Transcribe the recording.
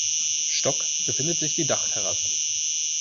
Stock befindet sich die Dachterrasse.